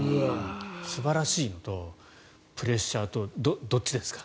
素晴らしいのとプレッシャーと、どっちですか？